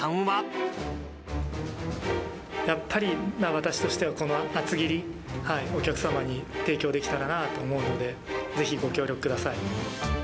やっぱり私としては、この厚切り、お客様に提供できたらなと思うので、ぜひご協力ください。